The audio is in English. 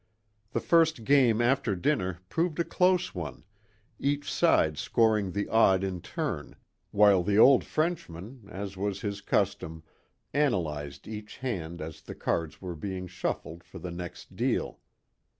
The first game after dinner proved a close one, each side scoring the odd in turn, while the old Frenchman, as was his custom, analyzed each hand as the cards were being shuffled for the next deal.